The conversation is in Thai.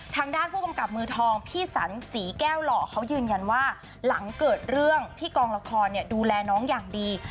ทางด้านผู้กำกับมือทองพี่สันศรีแก้วหล่อเขายืนยันว่าหลังเกิดเรื่องที่กองละครดูแลน้องอย่างดี